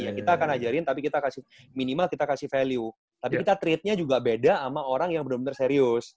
ya kita akan ajarin tapi kita kasih minimal kita kasih value tapi kita treatnya juga beda sama orang yang benar benar serius